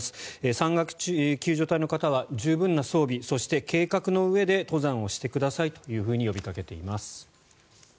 山岳救助隊の方は十分な装備そして、計画のうえで登山をしてくださいというふうに呼びかけています。